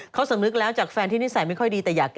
เขาสมมุติแล้วจากแฟนที่นิสัยไม่ค่อยดี